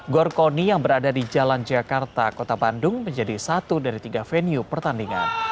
gor koni yang berada di jalan jakarta kota bandung menjadi satu dari tiga venue pertandingan